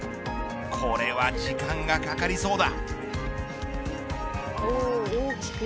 これは時間がかかりそうだ。